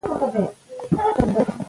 پر کالیو باندې د هیلې پنډې ګوتې تېرې شوې.